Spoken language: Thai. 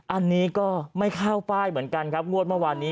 อันนี้ก็ไม่เข้าป้ายเหมือนกันครับงวดเมื่อวานนี้